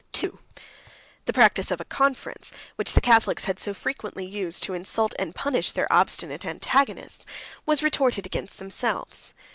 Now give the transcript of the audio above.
93 II. The practice of a conference, which the Catholics had so frequently used to insult and punish their obstinate antagonists, was retorted against themselves.